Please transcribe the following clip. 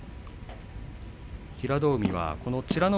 平戸海はこの美ノ